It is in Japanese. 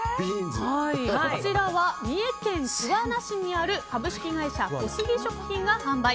こちらは三重県桑名市にある株式会社小杉食品が販売。